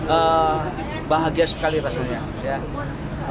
saya merasa bahagia sekali rasanya